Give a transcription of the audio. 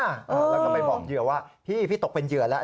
แล้วก็ไปบอกเหยื่อว่าพี่พี่ตกเป็นเหยื่อแล้ว